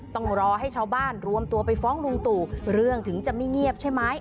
ต้องรอให้ชาวบ้านรวมตัวไปฟ้องลุงตู่เรื่องถึงจะไม่เงียบใช่ไหม